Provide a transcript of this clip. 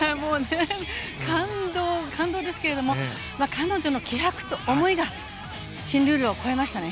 感動、感動ですけれども彼女の気迫と思いが新ルールを超えましたね。